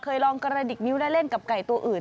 ลองกระดิกนิ้วและเล่นกับไก่ตัวอื่น